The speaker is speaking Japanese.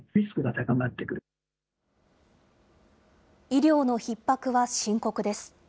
医療のひっ迫は深刻です。